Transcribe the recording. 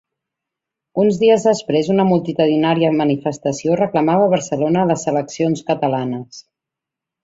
Uns dies després una multitudinària manifestació reclamava a Barcelona les seleccions catalanes.